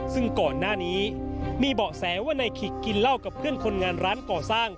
ซึ่งก่อนหน้านี้มีเบาะแสว่านายขิกกินเหล้ากับเพื่อนคนงานร้านก่อสร้าง